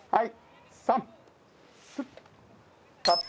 はい。